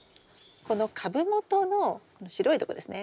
この株元のこの白いとこですね。